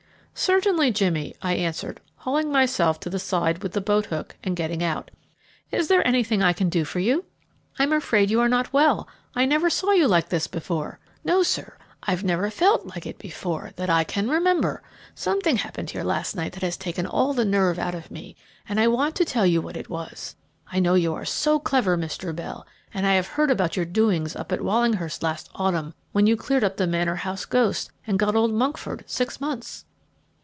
"Certainly, Jimmy," I answered, hauling myself to the side with the boat hook, and getting out. "Is there anything I can do for you? I am afraid you are not well. I never saw you like this before." "No, sir; and I never felt like it before, that I can remember. Something happened here last night that has taken all the nerve out of me, and I want to tell you what it was. I know you are so clever, Mr. Bell, and I have heard about your doings up at Wallinghurst last autumn, when you cleared up the Manor House ghost, and got old Monkford six months."